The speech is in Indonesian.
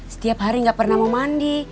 setiap hari gak pernah mau mandi